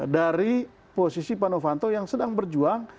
dari posisi pak novanto yang sedang berjuang